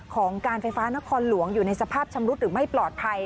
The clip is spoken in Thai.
ของการไฟฟ้านครหลวงอยู่ในสภาพชำรุดหรือไม่ปลอดภัย